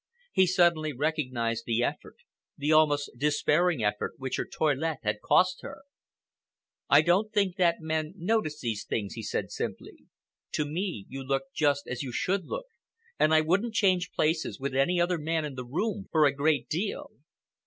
He suddenly recognized the effort—the almost despairing effort—which her toilette had cost her. "I don't think that men notice these things," he said simply. "To me you look just as you should look—and I wouldn't change places with any other man in the room for a great deal."